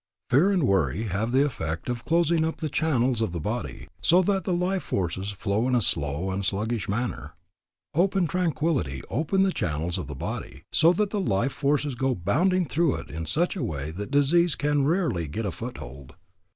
Fear and worry have the effect of closing up the channels of the body, so that the life forces flow in a slow and sluggish manner. Hope and tranquillity open the channels of the body, so that the life forces go bounding through it in such a way that disease can rarely get a foothold.